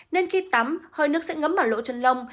nên khi tắm hơi nước sẽ ngấm vào lỗ chân lông